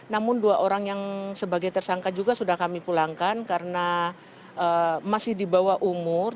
namun dua orang yang sebagai tersangka juga sudah kami pulangkan karena masih di bawah umur